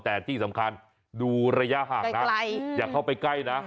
แต่ที่สำคัญดูระยะห่างนะอย่าเข้าไปใกล้นะ